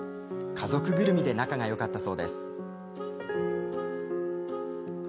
家族ぐるみで仲がよかったそうです。